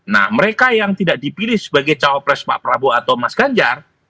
nah mereka yang tidak dipilih sebagai cawapres pak prabowo atau mas ganjar